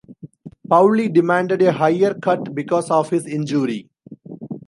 Paulie demanded a higher cut because of his injury.